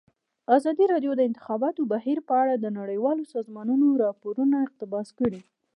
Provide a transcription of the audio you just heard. ازادي راډیو د د انتخاباتو بهیر په اړه د نړیوالو سازمانونو راپورونه اقتباس کړي.